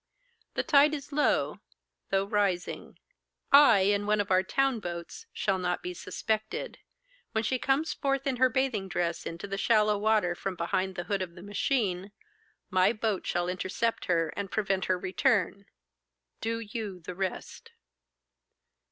The tide is low, though rising. I, in one of our town boats, shall not be suspected. When she comes forth in her bathing dress into the shallow water from behind the hood of the machine, my boat shall intercept her and prevent her return. Do you the rest.